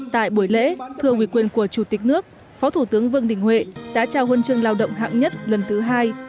tại buổi lễ thưa quý quyền của chủ tịch nước phó thủ tướng vương đình huệ đã trao huân chương lao động hạng nhất lần thứ hai